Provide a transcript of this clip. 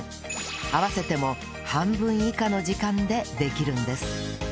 合わせても半分以下の時間でできるんです